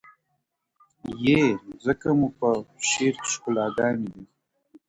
يې ه ځكه مو په شعر كي ښكلاگاني دي